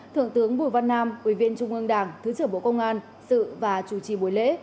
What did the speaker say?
thượng tướng bùi văn nam ủy viên trung ương đảng thứ trưởng bộ công an sự và chủ trì buổi lễ